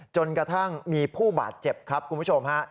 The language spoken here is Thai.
จนกระทั่งมีผู้บาดเจ็บครับคุณผู้ชมฮะ